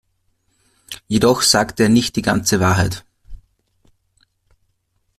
Jedoch sagt er nicht die ganze Wahrheit.